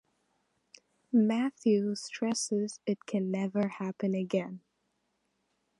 Matthew stresses it can never happen again.